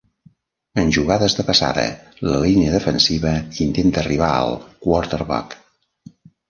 En jugades de passada, la línia defensiva intenta arribar al quarterback.